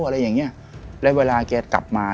อะไรอย่างเงี้ยแล้วเวลาแกกลับมา